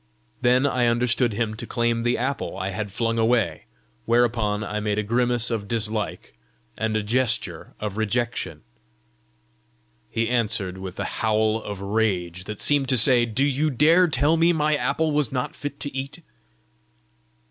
Then I understood him to claim the apple I had flung away, whereupon I made a grimace of dislike and a gesture of rejection. He answered with a howl of rage that seemed to say, "Do you dare tell me my apple was not fit to eat?"